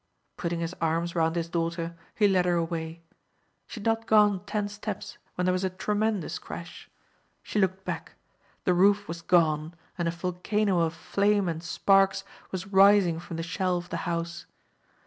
Putting his arms round his daughter, he led her away. She had not gone ten steps when there was a tremendous crash. She looked back; the roof was gone and a volcano of flame and sparks was rising from the shell of the house.